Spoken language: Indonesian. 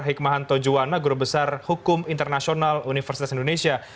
hikmahanto juwana guru besar hukum internasional universitas indonesia